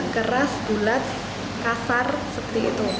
keras bulat kasar seperti itu